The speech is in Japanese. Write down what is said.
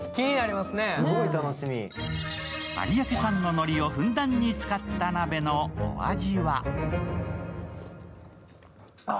有明産ののりをふんだんに使った鍋のお味は？